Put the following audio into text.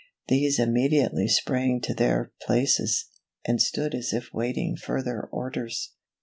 These immediately sprang to their places, and stood as if awaiting further orders.